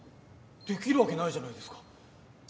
できるわけないじゃないですか。